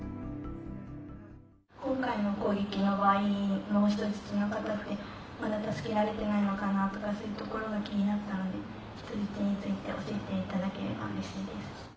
今回の攻撃の場合の人質の方ってまだ助けられてないのかなとかそういうところが気になったので人質について教えていただければうれしいです。